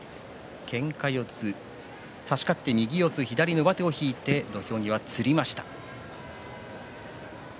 けんか四つ差し勝って右四つ左上手を引いて土俵際つりました。